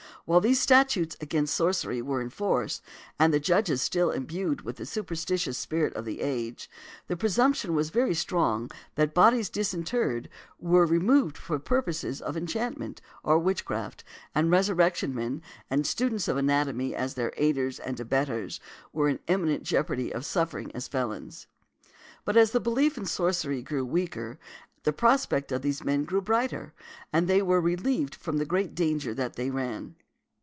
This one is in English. While these statutes against sorcery were in force, and the Judges still imbued with the superstitious spirit of the age, the presumption was very strong that bodies disinterred were removed for purposes of enchantment or witchcraft, and resurrection men and students of anatomy, as their aiders and abettors, were in imminent jeopardy of suffering as felons; but as the belief in sorcery grew weaker the prospect of these men grew brighter, and they were relieved from the great danger that they ran.